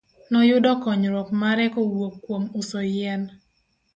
Noyudo konyruok mare kowuok kuom uso yien.